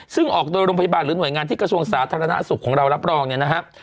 ซึ่งออกโดยโรงพยาบาลหรือหน่วยงานที่กระทรวงสาธารณสุขของเรารับรองเนี่ยนะครับ